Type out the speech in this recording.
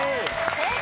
正解！